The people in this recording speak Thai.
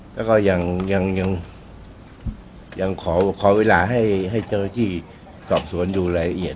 แล้วก็ยังขอเวลาให้เจ้าหน้าที่สอบสวนดูรายละเอียด